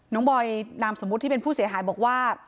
บอยนามสมมุติที่เป็นผู้เสียหายบอกว่า